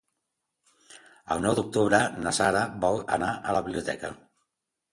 El nou d'octubre na Sara vol anar a la biblioteca.